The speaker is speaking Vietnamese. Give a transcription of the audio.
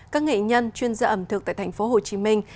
các nghệ nhân chuyên gia ẩm thực tại thành phố hồ chí minh